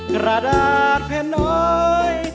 กระดาษแผ่นน้อย